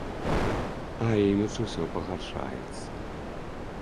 А імідж усё пагаршаецца.